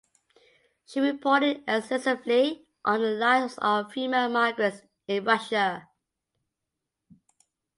She reported extensively on the lives of female migrants in Russia.